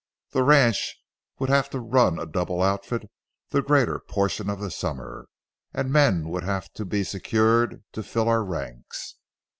The ranch would have to run a double outfit the greater portion of the summer, and men would have to be secured to fill our ranks.